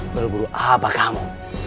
berburu apa kamu